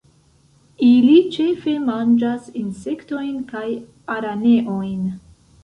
Ili ĉefe manĝas insektojn kaj araneojn.